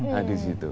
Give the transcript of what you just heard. nah di situ